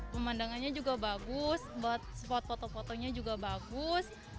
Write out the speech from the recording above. pemandangannya juga bagus buat spot foto fotonya juga bagus